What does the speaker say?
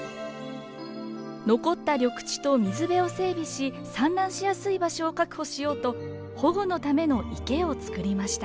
残った緑地と水辺を整備し産卵しやすい場所を確保しようと保護のための池をつくりました。